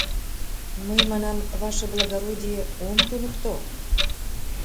— Мый, манам, ваше благородие, ом туныкто.